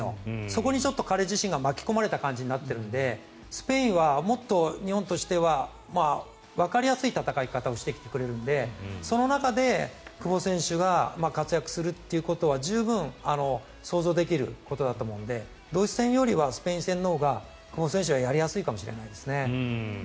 そこに彼自身が巻き込まれた感じになっているのでスペインはもっと日本としてはわかりやすい戦い方をしてきてくれるのでその中で久保選手が活躍するということは十分想像できることだと思うのでドイツ戦よりはスペイン戦のほうが久保選手がやりやすいかもしれないですね。